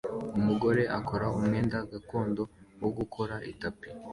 Umugore akora umwenda gakondo wo gukora itapi